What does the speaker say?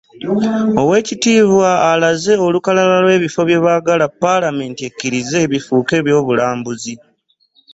Oweekitiibwa alaze olukalala lw'ebifo bye baagala Paalamenti ekkirize bifuuke eby'obulambuzi